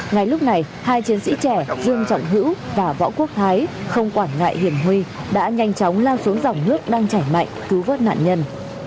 ngay lúc này hai chiến sĩ trẻ dương trọng hữu và võ quốc thái không quản ngại hiểm huy đã nhanh chóng lao xuống dòng nước đang chảy mạnh cứu vớt nạn nhân